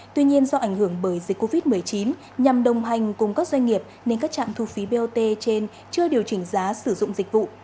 tuy nhiên do ảnh hưởng bởi dịch covid một mươi chín nhằm đồng hành cùng các doanh nghiệp nên các trạm thu phí bot trên chưa điều chỉnh giá sử dụng dịch vụ